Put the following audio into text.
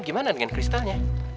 gimana dengan kristalnya